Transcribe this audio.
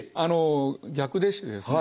逆でしてですね